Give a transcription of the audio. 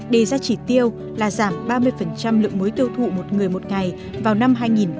đề giá trị tiêu là giảm ba mươi lượng muối tiêu thụ một người một ngày vào năm hai nghìn hai mươi năm